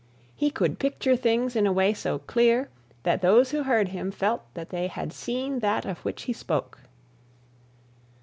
He could picture things in a way so clear that those who heard him felt that they had seen that of which he spoke.